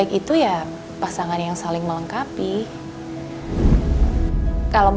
aku masih ada sarang sama dia juga